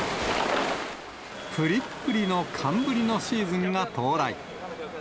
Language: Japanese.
ぷりぷりの寒ブリのシーズンが到来。